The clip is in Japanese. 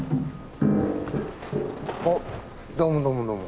おっどうもどうもどうも。